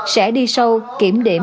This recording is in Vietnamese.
sẽ đi sâu kiểm điểm